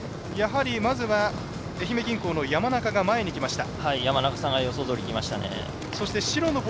まずは、愛媛銀行の山中前にきました。